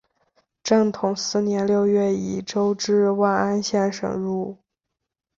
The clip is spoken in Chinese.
正统四年六月以州治万安县省入。